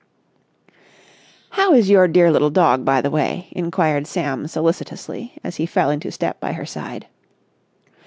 "How is your dear little dog, by the way?" inquired Sam solicitously, as he fell into step by her side.